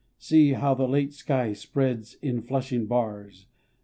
See how the late sky spreads in flushing bars!